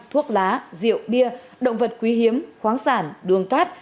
thuốc lá rượu bia động vật quý hiếm khoáng sản đường cát